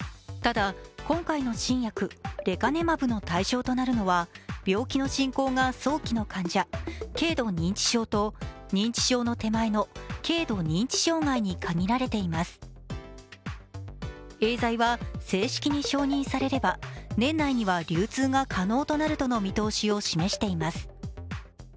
ただ、今回の新薬・レカネマブの対象となるのは病気の進行が軽度の患者、軽度認知症と認知症の手前の軽度認知障害に限られていますエーザイは正式に承認されれば年内には流通が可能となるとの見通しを示しています。